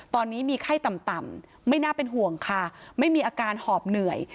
ตอนนี้มีไข้ต่ำไม่น่าเป็นห่วงค่ะไม่มีอาการหอบเหนื่อย